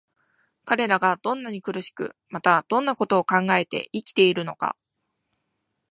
彼等がどんなに苦しく、またどんな事を考えて生きているのか、